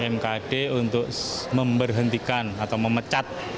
mereka menyerahkan surat agar mkd untuk memerhentikan atau memecat